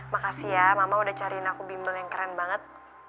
makasih ya mama udah cariin aku bimbel yang keren banget